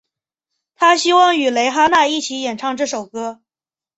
她希望与蕾哈娜一起演唱这首歌。